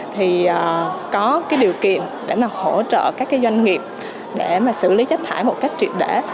thì có cái điều kiện để mà hỗ trợ các cái doanh nghiệp để mà xử lý chất thải một cách triệt để